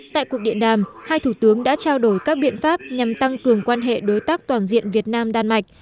tại cuộc điện đàm hai thủ tướng đã trao đổi các biện pháp nhằm tăng cường quan hệ đối tác toàn diện việt nam đan mạch